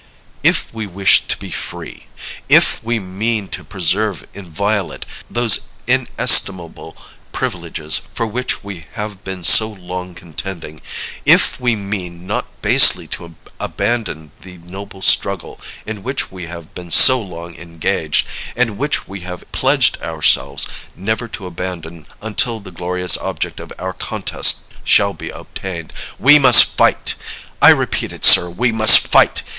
If we wish to be free; if we mean to preserve inviolate those inestimable privileges for which we have been so long contending; if we mean not basely to abandon the noble struggle in which we have been so long engaged, and which we have pledged ourselves never to abandon until the glorious object of our contest shall be obtained we must fight! I repeat it, sir, we must fight!